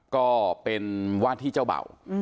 ก็เป็นว่าที่เจ้าเบ่า